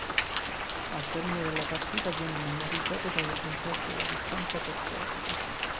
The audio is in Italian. Al termine della partita, viene memorizzato come punteggio la distanza percorsa.